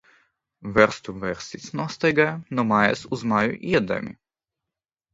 Verstu verstis nostaigāja, no mājas uz māju iedami.